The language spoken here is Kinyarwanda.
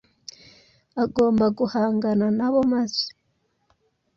agomba guhangana na bo maze ”